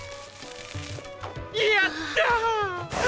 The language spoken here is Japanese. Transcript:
やったー！